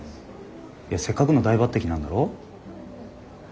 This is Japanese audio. せっかくの大抜てきなんだろ。